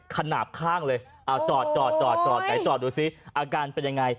ขนาดข้างเลยเอาจอดจอดไหนจอดดูซิอาการเป็นยังไง